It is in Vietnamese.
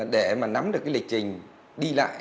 để nắm được lịch trình đi lại